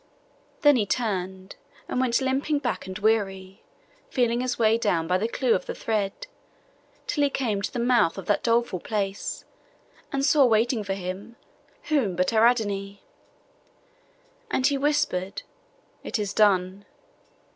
Then he turned, and went back limping and weary, feeling his way down by the clue of thread, till he came to the mouth of that doleful place and saw waiting for him, whom but Ariadne! And he whispered 'It is done!